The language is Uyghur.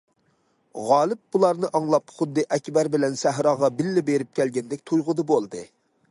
غالىب بۇلارنى ئاڭلاپ خۇددى ئەكبەر بىلەن سەھراغا بىللە بېرىپ كەلگەندەك تۇيغۇدا بولدى.